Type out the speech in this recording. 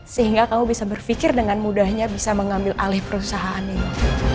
sehingga kamu bisa berpikir dengan mudahnya bisa mengambil alih perusahaan ini